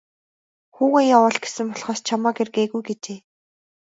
Хүүгээ явуул гэсэн болохоос чамайг ир гээгүй гэжээ.